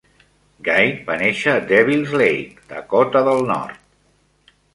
Guy va néixer a Devils Lake, Dakota del Nord.